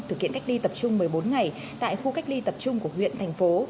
thực hiện cách ly tập trung một mươi bốn ngày tại khu cách ly tập trung của huyện thành phố